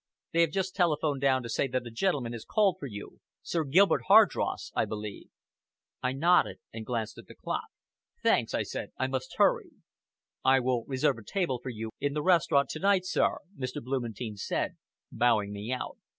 "They have just telephoned down to say that a gentleman has called for you Sir Gilbert Hardross, I believe." I nodded and glanced at the clock. "Thanks!" I said, "I must hurry." "I will reserve a table for you in the restaurant to night, sir," Mr. Blumentein said, bowing me out.